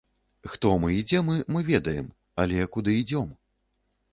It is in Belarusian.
Хто мы і дзе мы, мы ведаем, але куды ідзём?